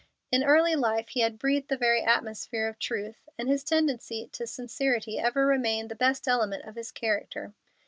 In early life he had breathed the very atmosphere of truth, and his tendency to sincerity ever remained the best element of his character.